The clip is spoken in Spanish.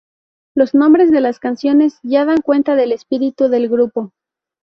Los nombres de las canciones ya dan cuenta del espíritu del grupo.